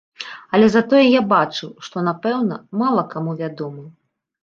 Але затое я бачыў, што, напэўна, мала каму вядома.